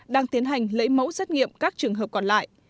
đang tiến hành lấy mẫu xét nghiệm các trường hợp còn lại